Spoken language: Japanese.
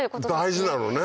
大事なのね。